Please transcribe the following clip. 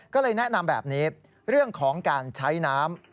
ก็เลยแนะนำแบบนี้เรื่องของการใช้น้ำ